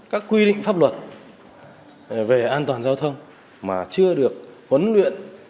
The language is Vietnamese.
các quy định pháp luật về an toàn giao thông mà chưa được huấn luyện